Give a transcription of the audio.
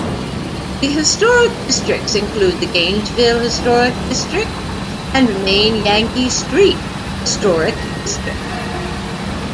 The historic districts include the Gainesville Historic District and Main-Yankee Street Historic District.